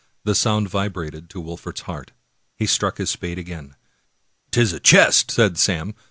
The sound vibrated to Wol fert's heart. He struck his spade again. " 'Tis a chest," said Sam.